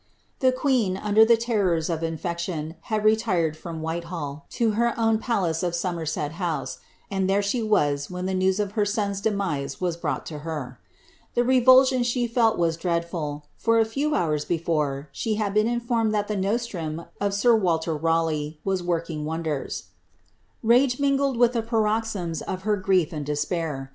Tlie queen, under the terrors of infection, had retired from Whitehall, to her own palace of Somerset House, and there she was when the ia^'>' of her sou's demise was brought to her. The revulsion she fell iiiS ' Jianaiive oE live iea'On ot ^v«M;«'fteKri,\i^ C'jiB. Ma.v.ii, ANNE OF DSHMAKK. 841 dreadful) for a few hours before, she had been informed that the nostrum of sir Walter Raleigh was working wonders. Rage mingled with the paroxysms of her grief and despair.